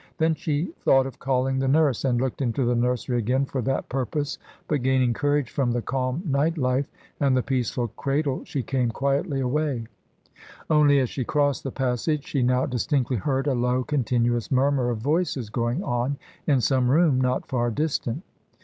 Then she thought of calling the nurse, and looked into the nursery again for that purpose, but gaining courage from the calm night light and the peaceful cradle, she came quietly away; only, as she crossed the passage, she now distinctly heard a low continuous murmur of voices going on in some room not far distant.